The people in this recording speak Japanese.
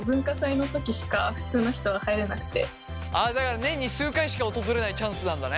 だから年に数回しか訪れないチャンスなんだね。